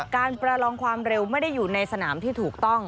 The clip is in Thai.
ประลองความเร็วไม่ได้อยู่ในสนามที่ถูกต้อง